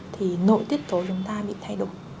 thì nội tiết tố chúng ta bị thay đổi